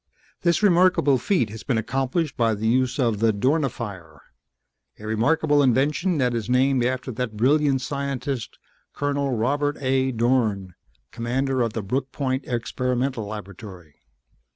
"This remarkable feat has been accomplished by the use of the Dornifier. A remarkable invention that is named after that brilliant scientist, Colonel Robert A. Dorn, Commander of the Brooke Point Experimental Laboratory.